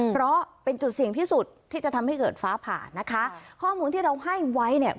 เพราะเป็นจุดเสี่ยงที่สุดที่จะทำให้เกิดฟ้าผ่านะคะข้อมูลที่เราให้ไว้เนี่ย